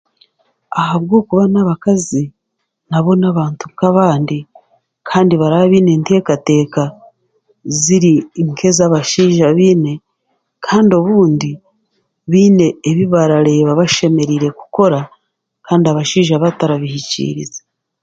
Ahabwokuba n'abakazi, nabo n'abantu nk'abandi kandi baraba baine enteekateeka ziri nk'ez'abashaija baine, kandi obundi baine ebi barareeba bashemereire kukora kandi abashaija batarabihikiiriza.